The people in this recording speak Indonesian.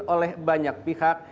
oleh banyak pihak